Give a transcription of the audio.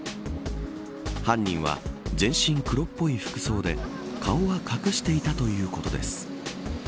犯人は全身黒っぽい服装で顔は隠していたということです。